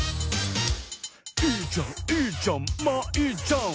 「いいじゃんいいじゃんまあいいじゃん」